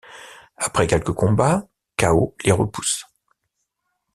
Après quelques combats, Cao les repousse.